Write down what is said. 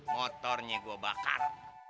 motornya gue bakar